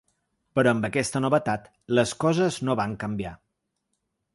Però amb aquesta novetat les coses no van canviar.